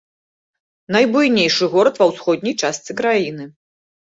Найбуйнейшы горад ва ўсходняй частцы краіны.